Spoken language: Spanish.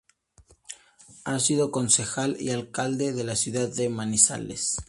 Ha sido concejal y alcalde de la ciudad de Manizales.